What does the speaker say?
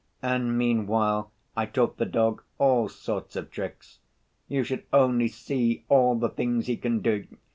And meanwhile I taught the dog all sorts of tricks. You should only see all the things he can do!